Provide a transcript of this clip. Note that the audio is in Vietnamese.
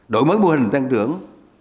đổi mới mô hình tăng trưởng